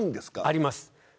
あります。